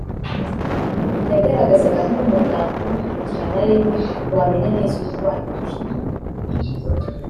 yagaragazaga ko umuganga umukurikirana ari we wamenya neza uburwayi bwe